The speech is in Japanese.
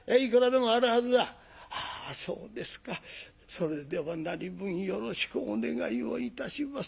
それでは何分よろしくお願いをいたします。